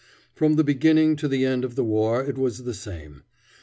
From the beginning to the end of the war it was the same.